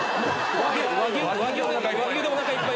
和牛でおなかいっぱい。